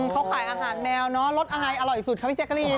เขาขายอาหารแมวเนอะรสอะไรอร่อยสุดครับพี่แจ๊กรีน